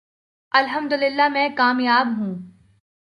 الحمدللہ میں کامیاب ہوں۔